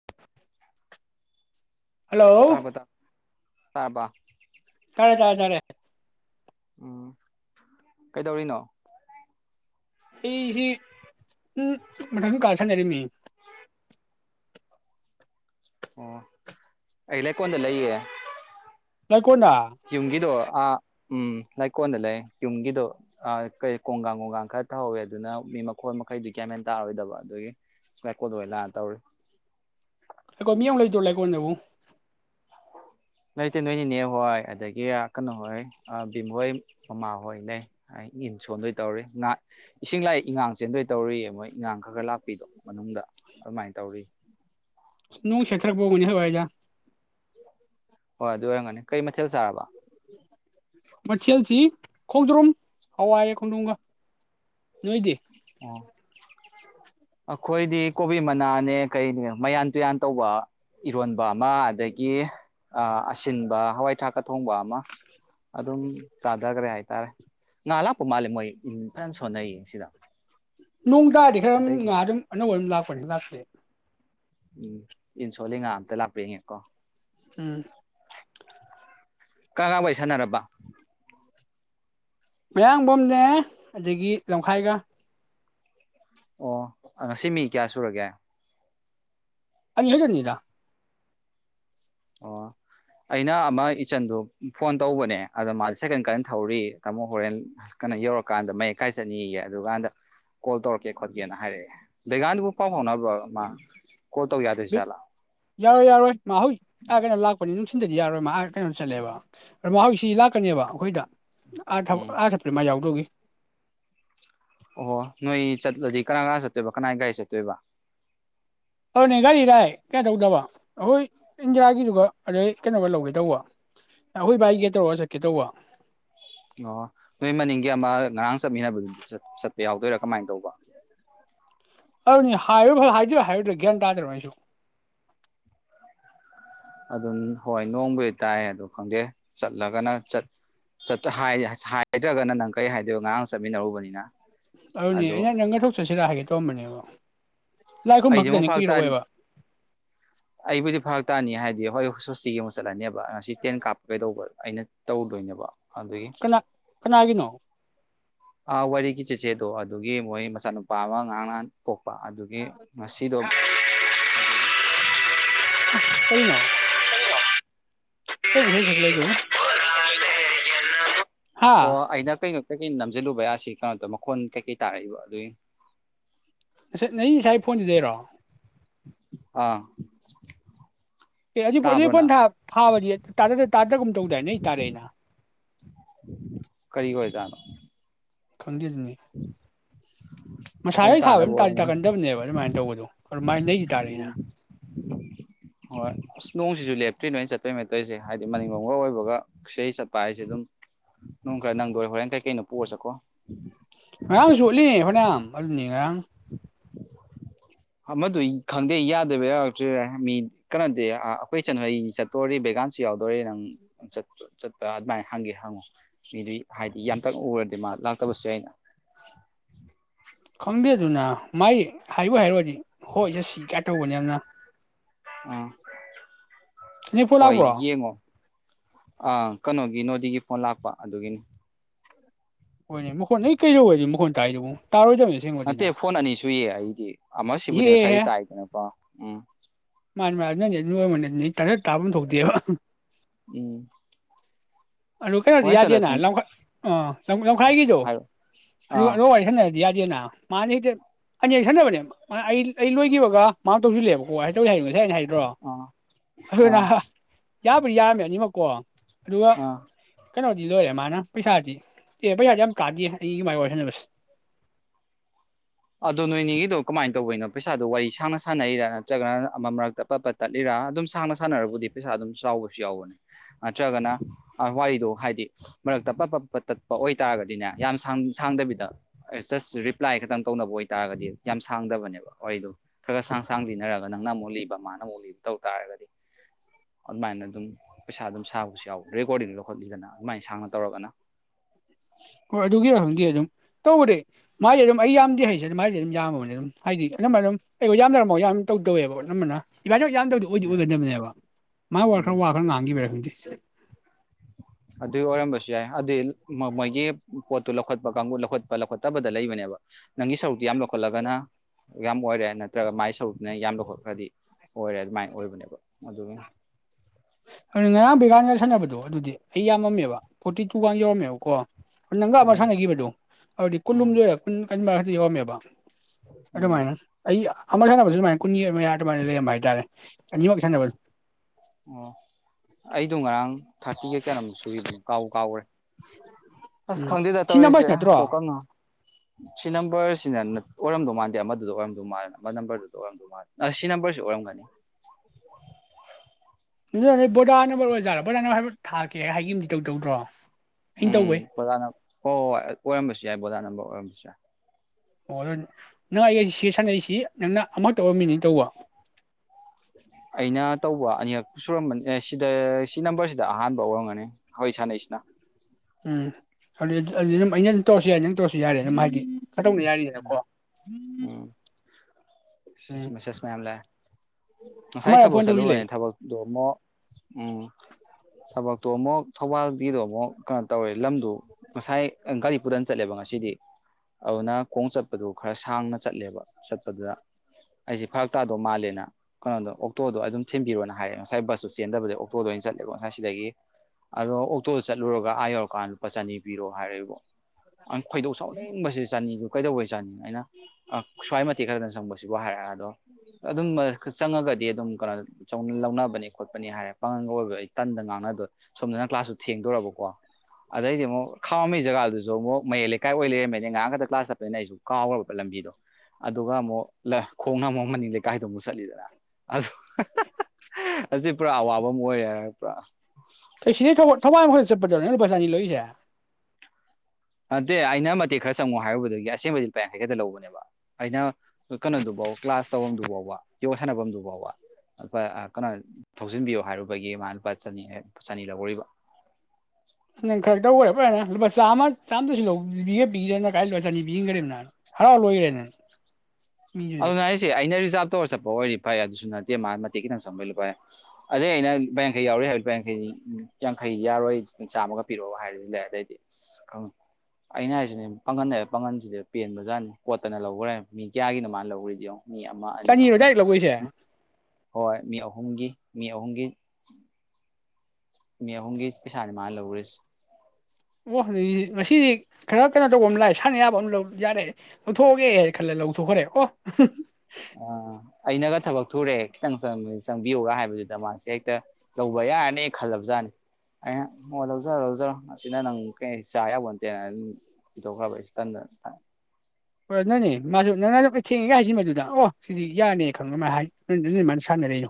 hello ꯇꯥꯔꯕꯔ ꯇꯥꯔꯦ ꯇꯥꯔꯦ ꯇꯥꯔꯦ ꯎꯝ ꯀꯩꯗꯧꯔꯤꯅꯣ ꯑꯩ ꯁꯤ ꯎꯝ ꯃꯊꯅꯤ ꯀꯁ ꯂꯩꯔꯤ ꯃ ꯑꯣ ꯑꯩ ꯂꯩ ꯀꯣꯟꯗ ꯂꯩꯌꯦ ꯂꯩꯀꯣꯟꯗ ꯌꯨꯝꯒꯤꯗꯨꯣ ꯑ ꯎꯝ ꯂꯩꯀꯣꯜꯗ ꯂꯩ ꯌꯨꯝꯒꯤꯗꯣ ꯀꯩ ꯀꯣꯡꯒꯥꯡ ꯋꯥꯣꯡꯒꯥꯡ ꯈꯔ ꯊꯧꯍꯧꯋꯦ ꯑꯗꯨꯅ ꯃꯤ ꯃꯈꯣꯜ ꯃꯈꯩꯗꯤ ꯀꯌꯥꯝꯃꯦꯟ ꯇꯥꯔꯣꯏꯗꯕ ꯑꯗꯨꯒꯤ ꯂꯩꯥꯏꯀꯣꯜꯗ ꯑꯣꯏꯅ ꯂꯥꯛꯑ ꯇꯧꯔꯤ ꯀꯣ ꯃꯤ ꯑꯝꯇ ꯂꯩꯇꯔꫭ ꯂꯥꯏꯀꯣꯟꯗꯕꯨ ꯂꯩꯇꯦ ꯅꯣꯏꯅꯤꯅꯦ ꯍꯣꯏ ꯑꯗꯒꯤ ꯀꯩꯅꯣꯍꯣꯏ ꯕꯤꯝꯍꯣꯏ ꯃꯃꯥꯍꯣꯏ ꯂꯩ ꯏꯟ ꯁꯣꯟꯗꯣꯏ ꯇꯧꯔꯤ ꯉ ꯏꯁꯤꯡ ꯂꯥꯏꯏ ꯏꯉꯥꯡ ꯆꯦꯟꯗꯣꯏ ꯇꯧꯔꯤ ꯃꯣꯏ ꯏꯉꯥꯡ ꯈꯔ ꯈꯔ ꯂꯥꯛꯄꯤꯗꯣ ꯃꯅꯨꯡꯗ ꯑꯗꯨꯃꯥꯏꯅ ꯇꯧꯔꯤ ꯅꯣꯡ ꯁꯦꯊꯥꯔꯛꯄꯩ ꯑꯣꯏ ꯍꯥꯏꯖ ꯍꯣꯏ ꯑꯗꯨ ꯑꯣꯏꯔꯝꯒꯅꯤ ꯀꯔꯤ ꯃꯊꯦꯜ ꯆꯥꯔꯕ ꯃꯊꯦꯜꯁꯤ ꯈꯣꯡꯗ꯭ꯔꯣꯨꯝ ꯍꯋꯥꯏꯔꯦ ꯈꯣꯡꯗꯣꯡꯝꯒ ꯅꯣꯏꯗꯤ ꯑꯣ [unintelligible] ꯑꯩꯈꯣꯏꯗꯤ ꯀꯣꯕꯤ ꯃꯅꯥꯅꯦ ꯀꯩꯅꯦ ꯃꯌꯥꯟ ꯇꯨꯌꯥꯟ ꯇꯧꯕ ꯏꯔꯣꯟꯕ ꯕꯃꯥ ꯑꯗꯒꯤ ꯑ ꯑꯁꯤꯟꯕ ꯍꯋꯥꯏ ꯊꯔꯥꯛꯀ ꯊꯣꯡꯕ ꯑꯃ ꯑꯗꯨꯝ ꯆꯥꯊꯈ꯭ꯔꯦ ꯍꯥꯏꯇꯥꯔꯦ ꯉꯥ ꯂꯥꯛꯄ ꯃꯥꯜꯂꯦ ꯃꯣꯏ ꯐꯖꯅ ꯁꯣꯟꯅꯩꯌꯦ ꯁꯤꯗ ꯅꯣꯡ ꯇꯥꯔꯗꯤ ꯈꯔ ꯑꯇꯩꯁꯨ ꯉꯍꯥ ꯑꯗꯨꯝ ꯑꯅꯧ ꯑꯝ ꯂꯥꯛꯄꯅꯤ ꯂꯥꯛꯇꯦ ꯎꯝ ꯏ ꯁꯣꯜꯂꯤꯉ ꯑꯝꯇ ꯂꯥꯛꯞꯄꯤꯏꯉꯦꯀꯣ ꯎꯝ ꯀꯥ ꯋꯥꯔꯤ ꯋꯥꯔꯤ ꯁꯥꯟꯅꯔꯕ ꯃꯌꯥꯡꯕꯣꯝꯅꯦ ꯑꯗꯒꯤ ꯂꯝꯈꯥꯏꯒ ꯑꯣ ꯉꯁꯤ ꯃꯤ ꯀꯌꯥ ꯁꯨꯔꯒꯦ ꯑꯅꯤ ꯈꯛꯇꯅꯤꯗ ꯑꯣ ꯑꯩꯅ ꯑꯃ ꯏꯆꯟꯗꯨ ꯐꯣꯟ ꯇꯧꯕꯅꯦ ꯑꯗꯣ ꯃꯥꯗꯤ ꯁꯦꯀꯟ ꯀꯥꯟ ꯊꯧꯔꯤ ꯇꯥꯃꯣ ꯍꯣꯔꯦꯟ ꯀꯩꯅꯣ ꯌꯧꯔꯀꯥꯟꯗ ꯃꯌꯥꯀꯥꯏ ꯆꯠꯅꯤꯌꯦ ꯑꯗꯨꯀꯥꯟꯗ ꯀꯣꯜ ꯇꯧꯔꯛꯀꯦ ꯈꯣꯠꯀꯦꯅ ꯍꯥꯏꯔꯛꯑꯦ ꯗꯩꯀꯥꯟꯗꯨꯕꯨ ꯄꯥꯎ ꯐꯥꯎꯅꯕ꯭ꯔꯣ ꯑꯃ ꯌꯥꯔꯣꯏ ꯌꯥꯔ ꯑꯣꯏ ꯃꯍ ꯍꯏ ꯑꯥ ꯀꯩꯅꯣꯝ ꯂꯥꯛꯄꯅꯤ ꯅꯨꯡꯁꯤꯟꯗꯗꯤ ꯌꯥꯔꯣꯏ ꯃꯍꯥꯛ ꯀꯩꯅꯣ ꯆꯠꯂꯦꯕ ꯑꯗꯣ ꯃꯍꯥꯎꯁꯤ ꯂꯥꯛꯀꯅꯦꯕ ꯑꯩꯈꯣꯏꯗ ꯑ ꯊ ꯎꯝ ꯑꯁꯄ꯭ꯔꯤꯃꯥ ꯌꯥꯎꯗꯣꯒꯤ ꯑꯣꯍꯣ ꯅꯣꯏ ꯆꯠꯂꯗꯤ ꯀꯅꯥ ꯀꯅꯥ ꯆꯠꯇꯣꯏꯕ ꯀꯅꯥ ꯒꯥꯔꯤ ꯆꯠꯇꯣꯏꯕ ꯑꯗꯨꯅꯦ ꯒꯥꯔꯤ ꯔꯥꯏ ꯀꯩꯅ ꯇꯧꯗꯕ ꯑꯩꯈꯣꯏ ꯏꯟꯗꯤꯔꯥꯒꯤꯗꯨꯒ ꯑꯗꯨꯩ ꯀꯩꯅꯣꯒ ꯂꯧꯒꯦ ꯇꯧꯕ ꯑꯩꯈꯣꯏ ꯕꯥꯏꯒ ꯇꯧꯔꯒ ꯆꯠꯀꯦ ꯇꯧꯕ ꯑꯣ ꯅꯣꯏ ꯃꯅꯤꯡꯒꯤ ꯑꯃ ꯉꯔꯥꯡ ꯆꯠꯃꯤꯟꯅꯕꯗꯨꯗꯤ ꯆꯠꯄ ꯌꯥꯎꯗꯣꯏꯔꯥ ꯀꯃꯥꯏꯅ ꯇꯧꯕ ꯑꯗꯨꯅꯤ ꯍꯥꯏꯨ ꯐ ꯍꯥꯏꯗꯣꯏ ꯍꯥꯏꯔꯨꯗ ꯒ꯭ꯌꯥꯟ ꯇꯥꯗ꯭ꯔꯣ ꯑꯩꯁꯨ ꯑꯗꯨꯝ ꯍꯣꯏ ꯅꯣꯡꯕꯨꯗꯤ ꯇꯥꯏ ꯑꯗꯨꯣ ꯈꯪꯗꯦ ꯆꯠꯂꯒꯅ ꯍꯥꯏꯗ꯭ꯔꯒꯅ ꯅꯪ ꯀꯔꯤ ꯍꯥꯏꯗꯣꯏ ꯉꯔꯥꯡ ꯆꯠꯃꯤꯟꯅꯔꯨꯕꯅꯤꯅ ꯑꯗꯨꯅꯦ ꯑꯗꯣ ꯅꯪꯒ ꯊꯕꯛ ꯆꯠꯁꯤꯔꯥ ꯍꯥꯏꯒꯦ ꯇꯣꯃꯅꯤꯕ ꯂꯥꯏꯈꯨꯝ ꯑꯩꯗꯤ ꯑꯃꯨꯛ ꯈꯛꯇꯅꯤ ꯐꯔꯛ ꯇꯥ ꯀꯨꯏꯔꯛꯑꯣꯏꯕ ꯑꯩꯕꯨꯗꯤ ꯐꯔꯛ ꯇꯥꯅꯤ ꯍꯥꯏꯗꯤ ꯍꯣꯏ ꯁꯣꯁꯤꯒ ꯑꯃꯨꯛ ꯆꯠꯂꯅꯦꯕ ꯉꯁꯤ ꯇꯦꯟ ꯀꯥꯞꯄ ꯀꯩꯗꯧꯕ ꯑꯩꯅ ꯇꯧꯗꯣꯏꯅꯦꯕ ꯑꯗꯨꯒꯤ ꯀꯅꯥ ꯀꯅꯥꯒꯤꯅꯣ ꯑ ꯋꯥꯔꯤꯒꯤ ꯆꯦꯆꯦꯗꯣ ꯑꯗꯨꯒꯤ ꯃꯣꯏ ꯃꯆꯥꯅꯨꯄꯥ ꯑꯃ ꯉꯍ ꯉꯍꯥꯟꯣꯛ ꯑꯗꯨꯒꯤ ꯉꯁꯤꯗꯣ ꯀꯔꯤꯅꯣ ꯀꯩ ꯍꯩ ꯁꯒꯂꯖꯎ ꯑꯣ ꯑꯩꯅ ꯀꯩꯅ ꯀꯩꯀꯩ ꯅꯝꯁꯤꯜꯂꯨꯕ ꯌꯥꯁꯤ ꯀꯩꯅꯣꯗꯣ ꯃꯈꯣꯟ ꯀꯩꯀꯩ ꯇꯥꯔꯛꯏꯕ ꯑꯗꯨꯏ ꯅꯩ ꯉꯁꯥꯏ ꯐꯣꯟꯗꯨꯗꯩꯔꯣ ꯑꯥ ꯑꯦ ꯑꯗꯨ ꯑꯗꯨ ꯇꯥꯕ꯭ꯔꯣꯅ ꯊꯥꯕꯗꯤ ꯇꯥꯗꯒꯨꯝꯝ ꯇꯧꯗꯥꯏ ꯅ ꯑꯩ ꯇꯥꯔꯛꯏꯅ ꯀꯔꯤ ꯀꯣꯏ ꯆꯥꯅꯣ ꯃꯁꯥ ꯑꯗꯨꯝ ꯌ ꯊꯥꯕ ꯇꯥꯅꯕ ꯇꯥ ꯑꯣꯏꯔꯝꯅꯤ ꯇꯥꯀꯟꯗꯕꯅꯦꯕ ꯑꯗꯨꯃꯥꯏꯅ ꯇꯧꯕꯗꫭ ꯃꯥꯏ ꯅꯩꯗꯤ ꯇꯥꯔꯛꯏꯅ ꯎꯝ ꯍꯣꯏ ꯅꯣꯡꯁꯤꯁꯨ ꯂꯦꯞꯇ꯭ꯔꯤ ꯅꯣꯏꯅ ꯆꯠꯄꯩ ꯅꯠꯇꯧꯣꯏꯁꯦ ꯍꯥꯏꯕꯗꯤ ꯃꯅꯤꯡꯂꯝꯒ ꯑꯣꯏꯕꯒ ꯁꯤꯗꯩ ꯆꯠꯄ ꯍꯥꯏꯁꯦ ꯑꯗꯨꯝ ꯅꯣꯡ ꯈꯔ ꯅꯪꯗꯣ ꯍꯣꯔꯦꯟ ꯀꯩꯀꯩꯅꯣ ꯄꯨꯔ ꯆꯠꯀꯣ ꯉꯔꯥꯡꯁꯨ ꯁ ꯎꯠꯂꯤ ꯐꯅꯌꯥꯝ ꯑꯗꯨꯅꯤ ꯉꯔꯥꯡ ꯃꯗꯨ ꯈꯪꯗꯦ ꯌꯥꯗꯕ ꯌꯥꯎꯛꯇ ꯃꯤ ꯀꯩꯅꯣꯗ ꯑꯩꯈꯣꯏ ꯆꯠꯅꯍꯩ ꯆꯠꯇꯣꯔꯔ ꯕꯦꯒꯥꯟꯁꯨ ꯌꯥꯎꯗꯣꯔꯤꯦ ꯅꯪ ꯆꯠꯄ ꯑꯗꯨꯃꯥꯏꯅ ꯍꯪꯒꯦ ꯍꯪꯉꯣ ꯃꯤꯗꯨ ꯍꯥꯏꯗꯤ ꯌꯥꯝꯇꯛꯅ ꯎꯔꯗꯤ ꯃꯥ ꯂꯥꯛꯇꯕꯁꯨ ꯑꯏꯩꯅ ꯈꯪꯗꯦ ꯑꯗꯨꯅ ꯃꯥꯒꯤ ꯍꯥꯏꯕꯨꯨ ꯍꯥꯏꯔꯨꯔꯗꯤ ꯍꯣꯏ ꯆꯠꯁꯤ ꯀꯥꯏ ꯇꯧꯕꯅꯦꯅ ꯑ ꯅꯦꯐꯣꯟ ꯍꯥꯏ ꯂꯥꯛꯄ꯭ꯔꯣ ꯌꯦꯡꯉꫭ ꯑ ꯀꯩꯅꯣꯒꯤ ꯅꯣꯗꯤꯒꯤ ꯐꯣꯟ ꯂꯥꯛꯄ ꯑꯗꯨꯒꯤꯅꯤ ꯍꯣꯏꯅꯦ ꯃꯈꯣꯟ ꯑꯩ ꯀꯩꯗꯧ ꯑꯣꯏꯗꯤ ꯃꯈꯣꯟ ꯇ ꯍꯥꯏꯔꯤꯕꯕꯨ ꯅꯠꯇꯦ ꯐꯣꯟ ꯑꯅꯤꯁꯨꯏ ꯑꯩꯗꯤ ꯑꯃꯁꯤꯕꯨꯗꯤ ꯌꯦꯛꯑꯦꯍꯦ ꯉꯁꯥꯏꯗꯤ ꯇꯥꯏꯗꯅꯀꯣ ꯎꯝ ꯃꯥꯅꯤ ꯃꯥ ꯅꯪꯅꯦ ꯅꯣꯏꯃꯗ ꯅ ꯇꯥꯗ ꯇꯥꯐꯝ ꯊꯣꯛꯗꯦꯕ ꯎꯝ ꯑꯗꯨ ꯀꯩꯅꯣꯗꯤ ꯍꯣꯔꯦꯟ ꯆꯠꯂ ꯄꯨꯡ ꯌꯥꯗꯦꯅꯈ ꯑ ꯂꯝꯈꯥꯏꯒꯤꯗꯣ ꯍꯥꯏꯔꯛꯑꯣ ꯑꯗꯨ ꯑꯥ ꯑ ꯋꯥꯔꯤ ꯁꯟꯅ ꯌꯥꯗꯦꯅ ꯃꯥꯅ ꯍꯦ ꯑ ꯁꯟꯅꯅꯕꯅꯦ ꯑꯩ ꯂꯣꯏꯈꯤꯕꯒ ꯃꯥꯅ ꯇꯧꯁꯤꯜꯂꯦꯕꯀꯣ ꯍꯥꯏ ꯇꯧ ꯍꯥꯏꯨꯣ ꯉꯁꯥꯏ ꯑꯩꯅ ꯍꯥꯏ ꯭ꯔꯣ ꯑꯥ ꯑꯗꯨꯅ ꯑꯥ ꯌꯥꯕ꯭ꯔꯥ ꯌꯥꯃꯦ ꯑꯅꯤꯃꯛꯀꯣ ꯔꯨꯍ ꯑꯥ ꯀꯩꯅꯣꯗꯤ ꯂꯣꯏꯔꯦ ꯃꯥꯅ ꯄꯩꯁꯥꯗꯤ ꯑꯦ ꯄꯩꯁꯥꯗꯤ ꯌꯥꯝ ꯀꯥꯗꯦ ꯑꯩꯒꯤ ꯃꯥꯏ ꯏꯁꯥꯡꯅ ꯁꯥꯟꯅꯩꯔꯥ ꯅꯠꯇ꯭ꯔꯒꯅ ꯑꯃ ꯃꯔꯛꯇ ꯑꯗꯨꯝ ꯁꯥꯡꯅ ꯁꯥꯟꯅꯔꯕꯨꯗꯤ ꯄꯩꯁꯥ ꯑꯗꯨꯝ ꯆꯥꯎꯕꯁꯨ ꯌꯥꯎꯕꯅꯤ ꯅꯠꯇ꯭ꯔꯒꯅ ꯋꯥꯔꯤꯗꯣ ꯍꯥꯏꯗꯤ ꯃꯔꯛꯇ ꯄ ꯄꯄ ꯇꯠꯄ ꯑꯣꯏꯇꯥꯥꯔꯒꯗꯤꯅꯦ ꯌꯥꯝ ꯁꯥꯡ ꯁꯥꯡꯗꯕꯤꯗ ꯖꯁ ꯔꯤꯄ꯭ꯂꯥꯏ ꯈ ꯇꯨꯪ ꯇꯧꯅꯕ ꯑꯣꯏꯇꯥꯔꯒꯗꯤ ꯌꯥꯝ ꯁꯥꯡꯗꯕꯅꯦꯕ ꯋꯥꯔꯤꯗꯣ ꯈꯔ ꯈ ꯁꯥꯡ ꯁꯥꯡ ꯂꯤꯅꯔꯒ ꯅꯪꯅ ꯑꯃꯨꯛ ꯂꯤꯕ ꯃꯥꯅ ꯑꯃꯨꯛ ꯂꯤꯕ ꯇꯧ ꯇꯥꯔꯒꯗꯤ ꯑꯣꯟꯃꯥꯏꯟꯅ ꯗꯨꯝ ꯄꯩꯁꯥ ꯑꯗꯨꯝ ꯁꯥꯕꯁꯨ ꯌꯥꯎ ꯍꯣꯏ ꯑꯗꯨꯒꯤꯔ ꯈꯪꯗꯦ ꯑꯗꯨꯝ ꯇꯧꯕꯅꯤ ꯃꯥꯢꯗꯤ ꯑꯗꯨꯝ ꯑꯩ ꯌꯥꯝꯗꯦ ꯍꯩꯁꯦ ꯑꯗꯨꯝ ꯃꯥꯏꯗꯤ ꯑꯗꯨꯝ ꯌꯥꯝꯃꯕꯅꯤ ꯑꯗꯨꯝ ꯍꯥꯏꯗꯤ ꯑꯅꯝꯕꯅ ꯑꯗꯨꯝ ꯑꯩ ꯌꯥꯝꯅꯔꯝꯃ ꯌꯥꯝ ꯇꯧ ꯇꯧꯋꯦꯕ ꯑꯅꯝꯕꯅ ꯏꯕꯥꯅꯤ ꯌꯥꯝꯗꯕꯗꯤ ꯑꯣꯏꯗꯤ ꯑꯣꯏꯒꯗꯕꯅꯦꯕ ꯃꯥꯥꯏ ꯋꯥ ꯈꯔ ꯎꯝ ꯋꯥ ꯈꯔ ꯉꯥꯡꯈꯤꯕꯩꯔ ꯈꯪꯗꯦ ꯁ [unintelligible] ꯑꯗꯨꯏ ꯑꯣꯏꯔꯝꯕꯁꯨ ꯌꯥꯏ ꯑꯗꯨꯗꯤ ꯃꯣꯏꯒꯤ ꯄꯣꯠꯇꯨ ꯂꯧꯈꯠꯄ ꯀꯥꯡꯕꯨ ꯂꯧꯈꯠ ꯂꯧꯈꯠꯇꯕꯗ ꯂꯩꯕꯅꯦꯕ ꯅꯪꯒꯤ ꯁꯔꯨꯛꯇꯤ ꯌꯥꯝ ꯂꯧꯈꯠꯂꯒꯅ ꯌꯥꯝ ꯑꯣꯏꯔꯦ ꯅꯠꯇ꯭ꯔꯒ ꯃꯥꯏ ꯁꯔꯨꯛꯇꯨꯅ ꯌꯥꯝ ꯂꯧꯈꯠꯈ꯭ꯔꯗꯤ ꯑꯣꯏꯔꯦ ꯑꯗꯨꯃꯥꯏꯅ ꯑꯣꯏꯕꯅꯦꯕ ꯑꯗꯨꯒꯤ [unintelligible] ꯑꯗꯣ ꯑꯗꯨꯗꯤ ꯑꯩ ꯌꯥꯝꯃꯝꯃꯦꯕ ꯐꯣꯔꯇꯤ ꯇꯨꯒ ꯌꯧꯔꯝꯃꯦꯕꯀꯣ ꯅꯪꯒꯥ ꯑꯃ ꯎꯝ ꯁꯥꯟꯅꯈꯤꯕꯗꯨꯣ ꯍꯥꯏꯗꯤ ꯎꯝ ꯀꯨꯟꯂꯨꯝꯗꯣꯏꯔ ꯀꯨꯟ ꯌꯧꯃꯦꯕ ꯎꯝ ꯑꯗꯨꯃꯥꯏꯅ ꯑꯩ ꯑꯃꯛ ꯁꯥꯟꯅꯕꯁꯨ ꯑꯗꯨꯃꯥꯏꯅ ꯀꯨꯟꯅꯤ ꯃꯌꯥ ꯑꯗꯨꯃꯥꯏꯅ ꯂꯩꯔꯝꯕ ꯍꯥꯏꯇꯥꯔꯦ ꯑꯅꯤꯃꯛ ꯁꯥꯟꯅꯕꯗ ꯑꯣ ꯑꯩꯗꯣ ꯉꯔꯥꯡ ꯊꯥꯔꯇꯤꯒ ꯀꯌꯥꯅꯣꯝ ꯁꯨꯒꯤꯕꯅꯦ ꯀꯥꯎ ꯀꯥꯎꯔꯦ ꯑꯁ ꯎꯝ ꯈꯪꯗꯤꯗ ꯁꯤ ꯇꯧꯔꯤꯁꯦ ꯅꯝꯕꯔꯁꯤ ꯅꯠꯇ꯭ꯔꯣ ꯀꯣꯀ ꯉꯥꯎ ꯁꯤ ꯅꯝꯕꯔꯁꯤꯅ ꯑꯣꯏꯔꯝꯗꯣꯏ ꯃꯥꯟꯗꯦ ꯑꯃꯗꯨꯗ ꯑꯣꯏꯔꯝꯗꯧ ꯃꯥꯜꯂ ꯑꯃ ꯅꯝꯕꯔꯗꯨꯗ ꯑꯣꯏꯔꯝꯗꯣꯏ ꯃꯥꯜꯂꯦ ꯑ ꯁꯤ ꯅꯝꯕꯔꯁꯤ ꯑꯣꯏꯔꯝꯒꯅꯤ ꯑꯗꯨ ꯅꯣꯏ ꯕꯣꯔꯗꯥ ꯅꯝꯕꯔꯖꯥꯔꯥ ꯕꯣꯔꯗꯥ ꯅꯝꯕꯔ ꯍꯥꯏꯔ ꯊꯥꯀꯦ ꯍꯥꯏꯒꯤꯝꯗꯤ ꯇꯧꯗ꯭ꯔꯣ ꯑꯩꯅ ꯎꯝ ꯇꯧꯕꯩ [unintelligible] ꯍꯣꯏ ꯍꯣꯏ ꯍꯣꯏ ꯑꯣꯏꯔꯝꯕꯁꯨ ꯌꯥꯏ ꯕꯣꯗꯥꯥ ꯅꯝꯕꯔ ꯑꯣꯏꯔꯝꯕꯁꯨ ꯌꯥꯏ ꯑꯣ ꯑ ꯅꯪ ꯑꯩ ꯁꯤ ꯁꯥꯟꯅꯔꯤꯁꯤ ꯅꯪꯅ ꯑꯃꯇ ꯑꯣꯏꯔꯝꯃꯤꯅꯤ ꯇꯧꯕ ꯑꯩꯅ ꯇꯧꯕ ꯑꯅꯤꯔꯛ ꯁꯨꯔꯝꯃ ꯑꯦ ꯁꯤꯗ ꯁꯤ ꯅꯝꯕꯔꯁꯤꯗ ꯑꯍꯥꯟꯕ ꯑꯣꯏꯔꯝꯒꯅꯤ ꯍꯣꯏ ꯁꯥꯟꯅꯩꯁꯤꯅ ꯎꯝ ꯑꯗꯨ ꯑꯗꯨꯗꯤ ꯑꯩꯅ ꯇꯧꯔꯁꯨ ꯌꯥꯏ ꯅꯪ ꯇꯧꯔꯁꯨ ꯌꯥꯔꯦ ꯑꯗꯨꯝ ꯍꯥꯏꯗꯤ ꯈꯇꯧꯅ ꯎꯝ ꯌꯥꯔꯤꯗꯅꯀꯣ ꯎꯝ ꯎꯝ ꯃꯦꯁꯦꯁ ꯃꯌꯥꯝ ꯂꯥꯛꯑꯦ ꯉꯁꯥꯏ ꯑꯃꯔꯛ ꯊꯕꯛ ꯐꯣꯟ ꯆꯠꯂꯨꯕꯅꯦ ꯇꯧꯁꯤꯜꯂꯛꯑꯦ ꯊꯕꯛꯇꯗꯣꯃꯣ ꯎꯝ ꯊꯕꯛꯇꯣ ꯑꯃꯨꯛ ꯊꯧꯕꯥꯜꯒꯤꯗꯣ ꯑꯃꯨꯛ ꯀꯩꯅꯣ ꯇꯧꯋꯦ ꯂꯝꯗꯨ ꯉꯁꯥꯏ ꯒꯥꯔꯤ ꯄꯨꯔꯅ ꯆꯠꯂꯦꯕ ꯉꯁꯤꯗꯤ ꯑꯧꯅꯥ ꯈꯣꯡ ꯆꯠꯄꯗꯨ ꯈꯔ ꯁꯥꯡꯅ ꯆꯠꯂꯦꯕ ꯆꯠꯄꯗꯨꯗ ꯑꯩꯁꯦ ꯐꯔꯛ ꯇꯥꯗꯧ ꯃꯥꯜꯂꯦꯅ ꯀꯩꯅꯣꯗꯣ ꯑꯣꯛꯇꯣꯗꯣ ꯑꯗꯨꯝ ꯊꯤꯟꯕꯤꯔꯣꯅ ꯍꯥꯏꯔꯦ ꯉꯁꯥꯏ ꯕꯁꯇꯨ ꯆꯦꯟꯗꯕꯗ ꯑꯣꯛꯇꯣꯗ ꯑꯣꯏꯅ ꯆꯠꯂꯦꯕꯣ ꯉꯁꯥꯏ ꯁꯤꯗꯒꯤ ꯑꯗꯣ ꯑꯣꯛꯇꯣꯗꯣ ꯆꯠꯂꯨꯔꯒ ꯑꯥ ꯌꯧꯔꯀꯥꯟꯗ ꯂꯨꯄꯥ ꯆꯅꯤ ꯄꯤꯔꯣ ꯍꯥꯏꯔꯦꯕꯣ ꯑ ꯈꯣꯏꯗꯧ ꯁꯥꯎ ꯂꯩꯦ ꯍꯕꯁꯦ ꯆꯥꯅꯤꯒ ꯀꯩꯗꯧꯕꯩ ꯆꯥꯅꯤ ꯑꯩꯅ ꯁ꯭ꯋꯥꯏ ꯃꯇꯦꯛ ꯈꯛꯇꯪ ꯆꯪꯕꯁꯤꯕꯨ ꯍꯥꯏꯔꯛꯑ ꯑꯗꯣ ꯑꯗꯨꯝ ꯆꯪꯉꯒꯗꯤ ꯈꯨꯗꯝꯝꯔꯦ ꯂꯧꯅꯕꯅꯤ ꯈꯣꯠꯄꯅꯤ ꯍꯥꯏꯔꯦ ꯄꯥꯉꯜꯒ ꯑꯣꯏꯕ ꯑꯩ ꯇꯟꯗ ꯉꯥꯡꯅꯗꯣꯏ ꯁꯣꯝꯗꯅ ꯀ꯭ꯂꯥꯁꯇꯨ ꯊꯦꯡꯗꯣꯔꯔꯕꯀꯣ ꯑꯗꯩꯗꯤ ꯑꯃꯨꯛ ꯈꯥꯎꯝꯃꯤ ꯖꯒꯥꯗꯨꯁꯨ ꯑꯃꯨꯛ ꯃꯌꯥꯏ ꯂꯩꯀꯥꯏ ꯑꯣꯏ ꯂꯩꯔꯝꯃꯦ ꯑꯅꯦ ꯉꯔꯥꯡ ꯈꯛꯇ ꯀ꯭ꯂꯥꯁꯇ ꯑꯗꯨꯩꯅ ꯑꯩꯁꯨ ꯀꯥꯎꯔꯕ ꯂꯝꯕꯤꯗꯣ ꯑꯗꯨꯒ ꯑꯃꯨꯛ ꯈꯣꯡꯅ ꯑꯃꯨꯛ ꯃꯅꯤꯡ ꯂꯩꯀꯥꯏꯗꯣ ꯑꯃꯨꯛ ꯆꯠꯂꯤꯗꯅ ꯑꯗ ꯑꯁꯤ ꯄꯨꯔꯥ ꯑꯋꯥꯕ ꯑꯃꯨꯛ ꯑꯣꯏꯔꯦ ꯍꯥꯏꯔ ꯄꯨꯔꯥ ꯑꯩꯩꯁꯤꯅꯦ ꯈꯣꯠ ꯊꯃꯏ ꯃꯈꯣꯏ ꯆꯠꯄ ꯆꯧꯔ ꯑꯗꯨ ꯄꯩꯁꯥꯅꯤ ꯂꯣꯏꯁꯦ ꯅꯠꯇꯦ ꯑꯩꯅ ꯃꯇꯦꯛ ꯈꯔ ꯆꯪꯉꯨ ꯍꯥꯏꯔꯨꯕꯗꯒꯤ ꯑꯁꯦꯡꯕꯗꯤ ꯂꯨꯄꯥ ꯌꯥ ꯍꯥꯏ ꯈꯦꯛꯇ ꯂꯧꯕꯅꯦꯕ ꯑꯩꯅ ꯀꯩꯅꯣꯗꯨꯐꯥꯎ ꯀ꯭ꯂꯥꯁ ꯇꯧꯐꯝꯗꯨ ꯐꯥꯎꯕ ꯌꯣ ꯁꯥꯟꯅꯐꯝꯗꯨ ꯐꯥꯎꯕ ꯂꯨ ꯀꯩꯅꯣ ꯊꯧꯖꯤꯟꯕꯤꯌꯣ ꯍꯥꯏꯔꯨꯕꯒꯤ ꯃꯥ ꯂꯨꯄꯥ ꯆꯅꯤ ꯆꯅꯤ ꯂꯧꯔꯤꯕ ꯅꯪ ꯈꯔꯛꯇ ꯑꯣꯏꯔꯦꯕ ꯂꯨꯄꯥ ꯆꯥꯝꯃ ꯆꯥꯝꯗꯁꯨ ꯂꯧꯕꯤ ꯄꯤꯗ꯭ꯔꯦꯅ ꯀꯥꯏ ꯂꯨꯄꯥ ꯆꯅꯤ ꯄꯤꯈ꯭ꯔꯦꯅ ꯍꯔꯥꯎ ꯂꯣꯏꯈꯔꯦ ꯅ ꯑꯗꯨ ꯉ ꯍꯥꯏꯁꯤꯦ ꯑꯩꯅ ꯑ ꯇꯧꯔ ꯆꯠꯄ ꯑꯣꯏꯗꯤ ꯐꯩ ꯑꯗꯨꯁꯨ ꯅꯠꯇꯦ ꯃꯥ ꯃꯇꯦꯛ ꯈꯤꯇꯪ ꯆꯪꯕꯩ ꯂ ꯐꯔꯦ ꯑꯗꯩ ꯑꯩꯅ ꯂꯄꯥ ꯌꯥꯡꯈꯩ ꯌꯥꯎꯔꯨꯏ ꯍꯥꯏꯕꯄꯥ ꯌꯥꯡꯈꯩ ꯌꯥꯡꯈꯩ ꯌꯥꯔꯣꯏ ꯆꯥꯝꯃꯒ ꯄꯤꯔꯛꯒ ꯍꯥꯏꯔꯗꯤ ꯂꯩ ꯑꯗꯩꯗꯤ ꯑꯁ ꯈꯪꯉ ꯑꯩꯅ ꯍꯥꯏꯔꯤꯁꯤꯅꯦ ꯄꯥꯒꯜ ꯍꯥꯏꯕ ꯄꯥꯒꯟꯁꯤꯗ ꯄꯦꯟꯕꯖꯥꯠꯅꯤ ꯀꯣꯠꯇꯅ ꯂꯧꯈ꯭ꯔꯦ ꯃꯤ ꯀꯌꯥꯒꯤꯅꯃꯥꯟꯅ ꯍ ꯑꯣꯏꯗꯤꯑꯣ ꯃꯤ ꯑꯃ ꯑꯅꯤ ꯆꯅꯤꯔꯣ ꯗꯥꯏꯔꯦꯛ ꯑꯩꯈꯣꯏ ꯂꯧꯈ꯭ꯔꯤꯁꯦ ꯍꯣꯏ ꯃꯤ ꯑꯍꯨꯝꯒꯤ ꯃꯤ ꯑꯍꯨꯝꯒꯤ ꯃꯤ ꯑꯍꯨꯝꯒꯤ ꯄꯩꯁꯥꯅꯤ ꯃꯥꯅ ꯂꯧꯔꯤꯁꯤ ꯑꯣ ꯃꯁꯤꯗꯤ ꯈꯔ ꯀꯩꯅꯣ ꯇꯧꯕ ꯑꯃ ꯂꯥꯛꯑꯦ ꯁꯥꯟꯅ ꯌꯥꯕ ꯑꯃ ꯌꯥꯔꯦ ꯂꯧꯊꯣꯛꯑꯒꯦ ꯈꯜꯂ ꯂꯧꯊꯣꯛꯈ꯭ꯔꯦ ꯑꯣ ꯑ ꯑꯩꯅꯒ ꯊꯕꯛ ꯊꯨꯔꯑꯦ ꯈꯤꯇꯪ ꯆꯪꯕꯤꯌꯨꯒ ꯍꯥꯏꯕꯗꯨꯗ ꯃꯥꯁꯦ ꯍꯦꯛꯇ ꯂꯧꯕ ꯌꯥꯔꯅꯦ ꯈꯜꯂꯕ ꯖꯥꯠꯅꯤ ꯑꯩꯅ ꯑꯣ ꯂꯧꯖꯔꯣ ꯂꯧꯖꯔꯣ ꯑꯁꯤꯅ ꯅꯪ ꯀꯩ ꯆꯥ ꯌꯥꯕꯠꯇꯦꯅ ꯄꯤꯊꯣꯛꯈ꯭ꯔꯕ ꯑꯩ ꯀ ꯍꯣꯏ ꯅꯣꯏꯅꯦ ꯃꯥꯁꯨ ꯅꯪ ꯀ ꯊꯦꯡꯉꯤꯒ ꯍꯥꯏꯁꯤ ꯃꯗꯨꯗ ꯑꯣ ꯁꯤꯗꯤ ꯌꯥꯅꯤ ꯈꯪ ꯅ ꯅ ꯑꯗꯨꯃꯥꯏꯅ ꯁꯥꯟꯅꯔꯛꯏꯅꯣ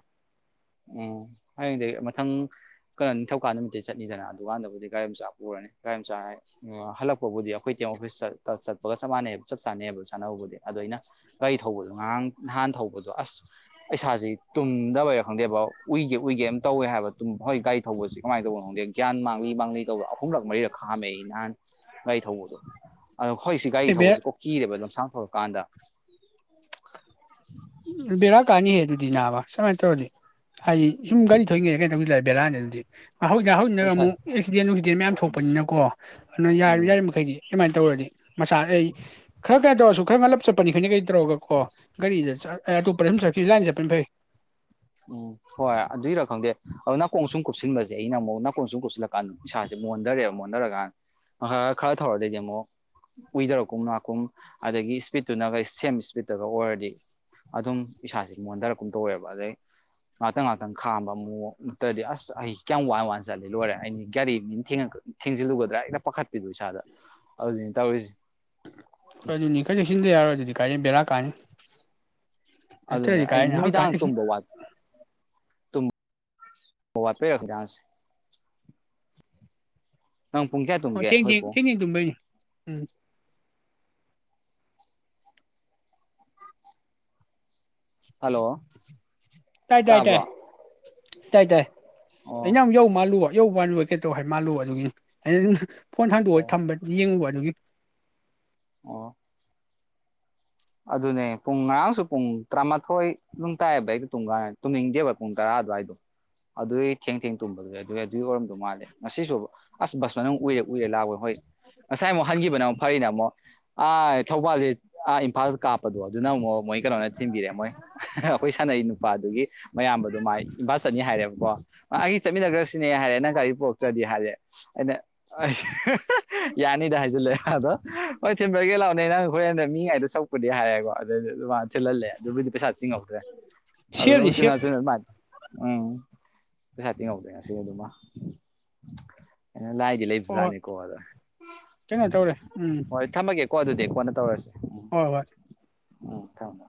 ꯎꯝ ꯍꯌꯦꯡꯗꯤ ꯃꯊꯪ ꯀꯩꯅꯣ ꯅꯤꯡꯊꯧꯀꯥ ꯅꯨꯃꯤꯠꯇꯤ ꯆꯠꯅꯤꯗꯅ ꯑꯗꯨꯀꯥꯟꯗꯕꯨꯗꯤ ꯒꯥꯔꯤ ꯃꯆꯥ ꯄꯨꯔꯅꯤ ꯒꯥꯔꯤ ꯃꯆꯥ ꯍꯜꯂꯛꯄꯕꯨꯗꯤ ꯑꯩꯈꯣꯏ ꯇꯦꯝ ꯑꯣꯐꯤꯁ ꯆꯠꯄꯒ ꯆꯞ ꯃꯥꯟꯅꯩ ꯆꯞ ꯆꯥꯟꯅꯩꯑꯕ ꯁꯥꯟꯅꯕꯕꯨꯗꯤ ꯑꯗꯣ ꯑꯩꯅ ꯒꯥꯔꯤ ꯊꯧꯕꯗꯣ ꯉꯔꯥꯡ ꯅꯍꯥꯟ ꯊꯧꯕꯗꯣ ꯑꯁ ꯄꯩꯁꯥꯁꯤ ꯇꯨꯝꯗꯕ ꯈꯪꯗꯦꯕ ꯎꯏꯒꯦ ꯎꯏꯒꯦ ꯑꯃ ꯇꯧꯋꯦ ꯍꯥꯏꯕ ꯍꯣꯏ ꯒꯥꯔꯤ ꯊꯧꯕꯁꯤꯦ ꯀꯃꯥꯏꯅ ꯇꯧꯕꯅꯣ ꯈꯪꯗꯦ ꯒ꯭ꯌꯥꯟ ꯃꯥꯡꯂꯤ ꯃꯥꯡꯂꯤ ꯇꯧꯕ ꯑꯍꯨꯝꯂꯛ ꯃꯔꯤꯔꯛ ꯈꯥꯝꯃꯦꯏ ꯅꯍꯥꯟ ꯒꯥꯔꯤ ꯊꯧꯕꯗꯣ ꯑꯗꯣ ꯍꯧꯖꯤꯛꯁꯤ ꯒꯥꯔꯤ ꯑꯦ ꯕꯦꯔꯥ ꯊꯧꯕꯁꯤ ꯀꯣꯛꯀꯤꯔꯦꯕ ꯂꯝꯁꯥꯡ ꯊꯧꯔꯀꯥꯟꯗ ꯎ ꯕꯦꯔꯥ ꯀꯥꯅꯤꯍꯦ ꯑꯗꯨꯗꯤ ꯅꯥꯕ ꯁꯨꯃꯥꯏꯅ ꯇꯧꯔꯗꯤ ꯍꯥꯏꯗꯤ ꯁꯨꯝ ꯔꯤ ꯊꯅꯤꯡꯉꯦ ꯀꯩꯅ ꯇꯧ ꯂꯩꯑꯦ ꯕꯂꯥ ꯅꯗꯤ ꯍꯧꯖꯤꯛ ꯍꯧꯖꯤꯅ ꯏꯁꯥ ꯑꯃꯨꯛ ꯑꯦꯛꯁꯤꯗꯦꯟ ꯋꯅꯨꯡꯁꯤꯗꯦꯟ ꯃꯌꯥꯝ ꯊꯣꯛꯄꯅꯤꯅꯀꯣ ꯑꯗꯨꯅ ꯌꯥꯔ ꯎꯝ ꯌꯥꯔꯤꯕ ꯃꯈꯩꯗꯤ ꯏꯃꯥꯏꯅ ꯇꯧꯔꯗꯤ ꯃꯆꯥꯥ ꯑꯩ ꯈꯔ ꯀꯔ ꯇꯧꯔꯁꯨ ꯈꯈꯣꯏ ꯉꯜꯂꯞ ꯆꯠꯄꯅꯤ ꯈꯈꯣꯏꯅ ꯀꯩ ꯇꯧꯔꯒ ꯀꯣ ꯒꯥꯔꯤꯗ ꯑꯇꯣꯄꯔ ꯆꯠꯈꯤ ꯂꯥꯏꯟ ꯆꯠꯄꯅ ꯐꯩ ꯎꯝ ꯍꯣꯏ ꯑꯗꯨꯏꯔ ꯈꯪꯗꯦ ꯑꯗꯣ ꯅꯥꯀꯣꯡ ꯁꯨꯝ ꯀꯨꯞꯁꯤꯟꯕꯁꯦ ꯑꯩꯅ ꯑꯃꯨꯛ ꯅꯥꯀꯣꯡ ꯁꯨꯝ ꯀꯨꯞꯁꯤꯜꯂꯀꯥꯟꯗ ꯏꯁꯥꯁꯦ ꯃꯣꯟꯊꯔꯛꯦꯕ ꯃꯣꯟꯟꯊꯔꯀꯥꯟꯗ ꯉ ꯈꯔ ꯊꯧꯔꯗꯩꯗꯤ ꯑꯃꯨꯛ ꯀꯨꯏꯊꯔꯛꯀꯨꯝ ꯅꯥꯀꯨꯝ ꯑꯗꯒꯤ ꯏꯁꯄꯤꯠꯇꯨꯅꯒ ꯁꯦꯝ ꯏꯁꯄꯤꯠꯇꯒ ꯑꯣꯏꯔꯗꯤ ꯑꯗꯨꯝ ꯏꯁꯥꯁꯦ ꯃꯣꯟꯊꯔꯛꯀꯨꯝ ꯇꯧꯋꯦꯕ ꯑꯗꯩ ꯉꯥꯛꯇꯪ ꯉꯥꯏꯍꯥꯛꯇꯪ ꯈꯥꯝꯕ ꯃꯣꯛ ꯅꯠꯇ꯭ꯔꯗꯤ ꯑꯁ ꯑꯩ ꯀꯌꯥꯝ ꯋꯥꯏꯅ ꯋꯥꯅ ꯆꯠꯂ ꯂꯣꯏꯔꯦ ꯑꯩꯅꯤ ꯒꯥꯔꯤ ꯊꯦꯡꯖꯤꯜꯂꯨꯒꯗ꯭ꯔꯥ ꯍꯦꯛꯇ ꯄꯥꯈꯠꯄꯤꯗꯨꯣ ꯏꯁꯥꯗ ꯑꯗꯨꯅ ꯇꯧꯔꯤꯁꯦ ꯍꯣꯏ ꯑꯗꯨꯅꯤ ꯈꯔ ꯆꯦꯛꯁꯤꯟꯗ ꯌꯥꯔꯣꯏ ꯑꯗꯨꯗꯤ ꯀꯔꯤ ꯕꯔ ꯀꯅꯤ ꯑꯗꯨꯅꯦ ꯑꯩ ꯅꯨꯃꯤꯗꯥꯡ ꯇꯨꯝꯕ ꯋꯥ ꯍ ꯋꯥꯄꯦꯈꯗꯁ ꯑꯣ ꯆꯦꯡ ꯆꯦꯡ ꯆꯦꯡ ꯆꯦꯡ ꯇꯨꯝꯕꯅꯤ ꯎꯝ ꯍꯜꯂꯣ ꯇꯥꯏ ꯇꯥꯏ ꯇꯥꯏ ꯇꯥꯕ꯭ꯔꯣ ꯇꯥꯏ ꯇꯥꯏ ꯑꯣ ꯑꯩꯅ ꯑꯃꯨꯛ ꯌꯧ ꯃꯥꯜꯂꯨꯕ ꯑꯌꯧꯕ ꯀꯩ ꯇꯧ ꯍꯥꯏ ꯃꯥꯜꯂꯣ ꯑꯗꯨꯒꯤꯅꯤ ꯑꯩꯅ ꯑꯗꯨꯝ ꯐꯣꯟ ꯍꯥꯡꯗꯣꯛꯑꯣꯒ ꯑꯣ ꯊꯝꯕ ꯌꯦꯡꯉꯨꯕ ꯅꯨꯃꯤ ꯑꯣ ꯑꯗꯨꯅꯦ ꯄꯨꯡ ꯉꯔꯥꯡꯁꯨ ꯄꯨꯡ ꯇꯔꯥꯃꯥꯊꯣꯏ ꯅꯨꯡ ꯇꯥꯏꯑꯕ ꯑꯩꯗꯣ ꯇꯨꯝ ꯀꯥꯟ ꯇꯨꯝꯅꯤꯡꯗꯦꯕ ꯄꯨꯡ ꯇꯔꯥ ꯑꯗꯨꯋꯥꯏꯗꯣ ꯑꯗꯨꯒꯤ ꯊꯦꯡ ꯊꯦꯡ ꯇꯨꯝꯕꯗꯨ ꯑꯗꯨꯏ ꯑꯗꯨꯒꯤ ꯑꯣꯏꯔꯝꯗꯧ ꯃꯥꯜꯂꯦ ꯉꯁꯤꯁꯨ ꯑꯁ ꯕꯁ ꯃꯅꯨꯡ ꯎꯏꯔꯦ ꯎꯏꯔꯦ ꯂꯥꯛꯑꯣꯣꯏ ꯍꯣꯏ ꯉꯁꯥꯏ ꯑꯃꯨꯛ ꯍꯟꯈꯤꯕꯅ ꯑꯃꯨꯛ ꯐꯔꯤꯅꯦ ꯑꯃꯨꯛ ꯑꯥ ꯊꯧꯕꯥꯜꯗꯤ ꯐ ꯀꯥꯞꯄꯗꯣ ꯑꯗꯨꯅꯨꯛ ꯃꯣꯏ ꯀꯩꯅꯣꯅꯦ ꯊꯤꯟꯕꯤꯔꯑꯦ ꯃꯣꯏ ꯑꯩꯈꯣꯏ ꯁꯥꯟꯅꯩ ꯅꯨꯄꯥꯗꯨꯒꯤ ꯃꯌꯥꯝꯕꯗꯨꯣ ꯃꯥꯏ ꯏꯝꯕꯥꯥꯜ ꯆꯅꯤ ꯍꯥꯏꯔꯦꯕꯀꯣ ꯃꯥꯒꯤ ꯆꯠꯃꯤꯟꯅꯈ꯭ꯔꯁꯤꯅꯦ ꯍꯥꯏꯔꯦ ꯅꯪ ꯒꯥꯔꯤ ꯄꯣꯔꯛꯇ꯭ꯔꯗꯤ ꯍꯥꯏꯔꯦ ꯑꯩꯅ ꯌꯥꯅꯤꯗ ꯍꯥꯏꯁꯤꯂꯦ ꯍꯗꯣ ꯍꯣꯏ ꯊꯤꯟꯕ꯭ꯔꯒꯦ ꯂꯥꯛꯑꯣꯅꯦ ꯅꯪ ꯍꯣꯔꯦꯟꯗ ꯃꯤꯉꯥꯏꯗꯣ ꯆ ꯍꯥꯏꯌꯦꯦꯀꯣ ꯑꯗꯨ ꯆꯂꯦ ꯑꯗꯨꯕ ꯄꯩꯁ ꯍꯥ ꯇꯤꯤꯡꯎꯇ꯭ꯔꯦ ꯑꯗꯨꯅ ꯁꯦꯞꯅꯤ ꯁꯦꯞ ꯎꯆ ꯆ ꯎꯝ ꯄꯩꯁꯥꯇꯤ ꯉꯧꯗꯣꯏ ꯉ ꯁꯤ ꯑꯗꯨꯃ ꯂꯥꯏꯗꯤ ꯍꯣꯏ ꯍꯣꯏ ꯂꯩꯕꯖꯥꯠꯅꯤꯀꯣ ꯑꯗ ꯀꯩꯅꯣ ꯇꯧꯔꯦ ꯎꯝ ꯍꯣꯏ ꯊꯝꯃꯒꯦꯀꯣ ꯑꯗꯨꯗꯤ ꯑꯩ ꯀꯣꯟꯅ ꯇꯧꯔꯁꯦ ꯎꯝ ꯍꯣꯏ ꯍꯣꯏ ꯎꯝ ꯊꯅ